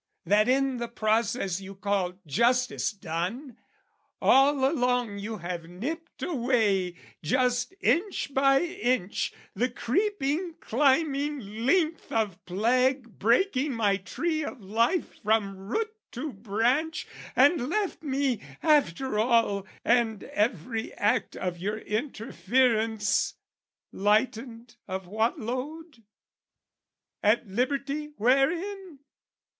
That in the process you call "justice done" All along you have nipped away just inch By inch the creeping climbing length of plague Breaking my tree of life from root to branch, And left me, after all and every act Of your interference, lightened of what load? At liberty wherein?